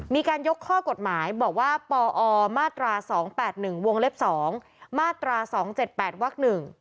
มีการยกข้อกฎหมายบอกว่าปอมาตรา๒๘๑วงเล็บ๒มาตรา๒๗๘วัก๑